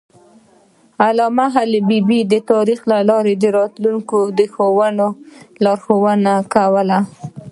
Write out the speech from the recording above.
علامه حبیبي د تاریخ له لارې د راتلونکي لارښوونه کوله.